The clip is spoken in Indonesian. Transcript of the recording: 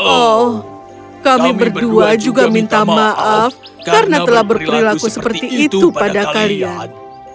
oh kami berdua juga minta maaf karena telah berperilaku seperti itu pada kalian